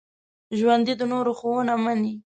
ژوندي د نورو ښوونه مني